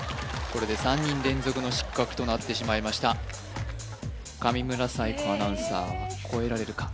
これで３人連続の失格となってしまいました上村彩子アナウンサーはこえられるか？